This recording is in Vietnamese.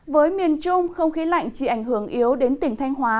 với miền trung không khí lạnh chỉ ảnh hưởng yếu đến tỉnh thanh hóa